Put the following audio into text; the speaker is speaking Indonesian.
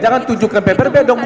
jangan tunjukkan paperback dong